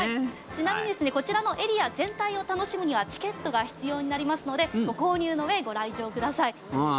ちなみにこちらのエリア全体を楽しむにはチケットが必要になりますのでご購入のうえご来場ください。